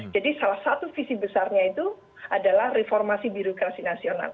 jadi salah satu visi besarnya itu adalah reformasi birokrasi nasional